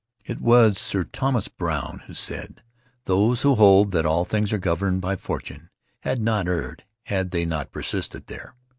It was Sir Thomas Browne who said, "Those who hold that all things are governed by fortune had not erred had they not persisted there."